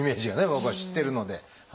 僕は知ってるので。